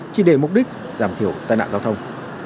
chỉ để mục đích giảm thiểu tai nạn giao thông